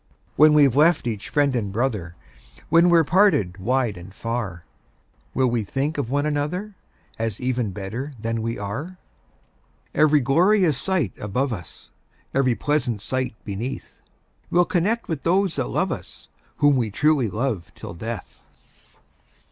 When we've left each friend and brother, When we're parted wide and far, We will think of one another, As even better than we are. Every glorious sight above us, Every pleasant sight beneath, We'll connect with those that love us, Whom we truly love till death!